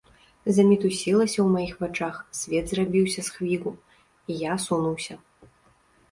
Замітусілася ў маіх вачах, свет зрабіўся з хвігу, і я асунуўся.